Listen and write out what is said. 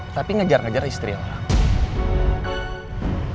tapi ngejar ngejar istri orang